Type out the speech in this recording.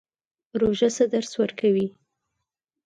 روژه څه درس ورکوي؟